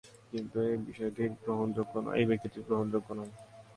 কিন্তু এ ব্যক্তিটি গ্রহণযোগ্য নয়।